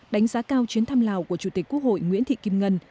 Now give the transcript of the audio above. đánh giá cao chuyến thăm lào của chủ tịch quốc hội nguyễn thị kim ngân